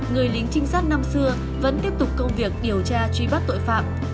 người lính trinh sát năm xưa vẫn tiếp tục công việc điều tra truy bắt tội phạm